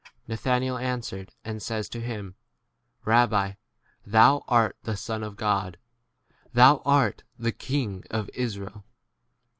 49 Nathanael answered and says to him, Babbi, thou* art the Son of God, thou ' art the King of Israel.